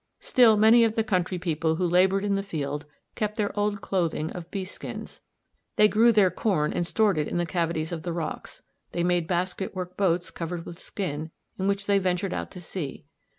Still many of the country people who laboured in the field kept their old clothing of beast skins; they grew their corn and stored it in cavities of the rocks; they made basket work boats covered with skin, in which they ventured out to sea.